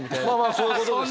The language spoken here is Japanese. そういうことですよね。